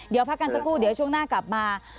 เดี๋ยวพักกันสักครู่เดี๋ยวช่วงหน้ากลับมา